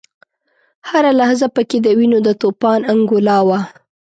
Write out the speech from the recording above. هره لحظه په کې د وینو د توپان انګولا وه.